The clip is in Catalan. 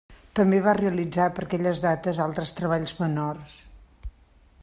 També va realitzar per aquelles dates altres treballs menors.